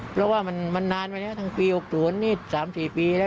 เพราะว่ามันนานมาแล้วทั้งปี๖๐นี่๓๔ปีแล้ว